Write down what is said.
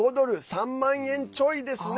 ３万円ちょいですね。